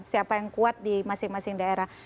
siapa yang kuat di masing masing daerah